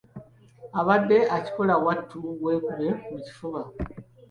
Abadde akikola wattu weekube mu kifuba.